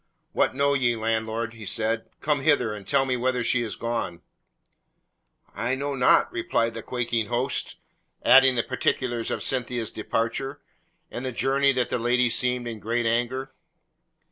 "What know you, landlord?" he shouted. "Come hither, and tell me whither is she gone!" "I know not," replied the quaking host, adding the particulars of Cynthia's departure, and the information that the lady seemed in great anger.